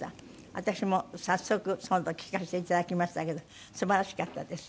私も早速その時聴かせて頂きましたけどすばらしかったです。